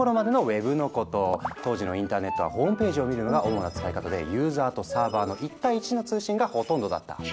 当時はインターネットはホームページを見るのが主な使い方でユーザーとサーバーの１対１の通信がほとんどだった。